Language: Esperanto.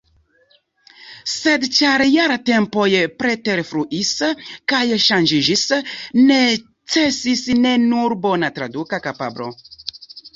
Sed ĉar ja la tempoj preterfluis kaj ŝanĝiĝis, necesis ne nur bona traduka kapablo.